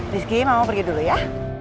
rizky mau pergi dulu ya